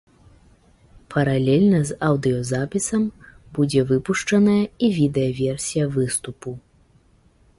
Паралельна з аўдыёзапісам будзе выпушчаная і відэа-версія выступу.